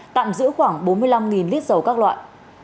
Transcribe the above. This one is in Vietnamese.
tạm giữ khoảng bốn mươi năm lít dầu các loại